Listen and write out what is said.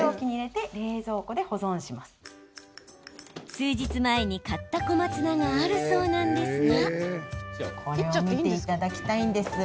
数日前に買った小松菜があるそうなんですが。